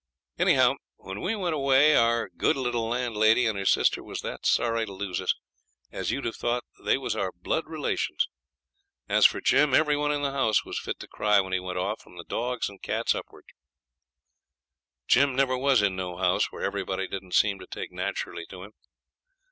Anyhow, when we went away our good little landlady and her sister was that sorry to lose us, as you'd have thought they was our blood relations. As for Jim, every one in the house was fit to cry when he went off, from the dogs and cats upwards. Jim never was in no house where everybody didn't seem to take naturally to him.